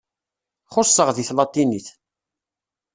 Xuṣṣeɣ deg tlatinit.